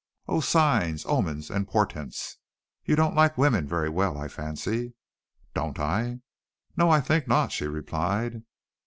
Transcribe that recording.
"Oh, signs, omens and portents. You don't like women very well I fancy." "Don't I!" "No, I think not," she replied.